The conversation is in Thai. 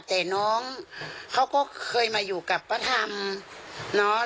แต่น้องเขาก็เคยมาอยู่กับป้าธรรมเนอะ